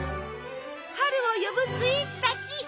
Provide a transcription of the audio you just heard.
春を呼ぶスイーツたち。